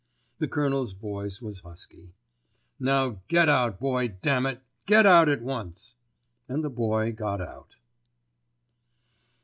The Colonel's voice was husky. "Now, get out, Boy, damn it—get out at once!" And the Boy got out.